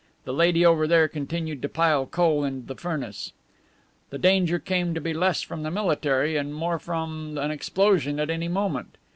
The lady over there continued to pile coal into the furnace. The danger came to be less from the military and more from an explosion at any moment.